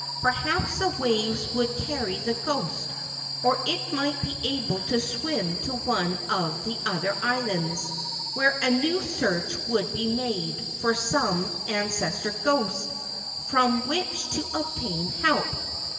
Perhaps the waves would carry the ghost, or it might be able to swim to one of the other islands, where a new search would be made for some ancestor ghost from which to obtain help.